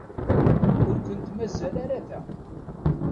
Ur kent-mazal ara da.